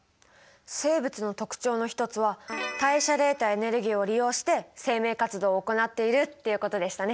生物の特徴の一つは代謝で得たエネルギーを利用して生命活動を行っているっていうことでしたね。